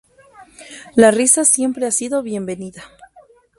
La risa siempre ha sido bienvenida.